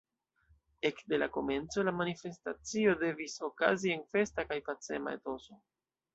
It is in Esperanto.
Ekde la komenco, la manifestacio devis okazi en festa kaj pacema etoso.